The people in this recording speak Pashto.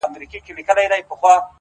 د ورورولۍ په معنا،